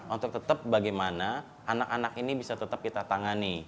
untuk tetap bagaimana anak anak ini bisa tetap kita tangani